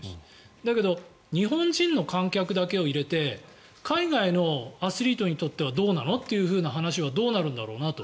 だけど日本人の観客だけを入れて海外のアスリートにとってはどうなのという話はどうなるんだろうなと。